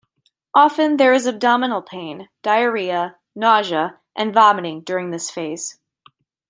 Often there is abdominal pain, diarrhea, nausea and vomiting during this phase.